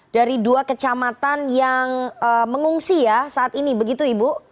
dari dua kecamatan yang mengungsi ya saat ini begitu ibu